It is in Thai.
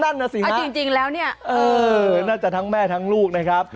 นั่นนะสิฮะเออน่าจะทั้งแม่ทั้งลูกนะครับ